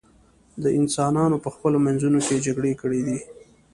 انسانانو په خپلو منځونو کې جګړې کړې دي.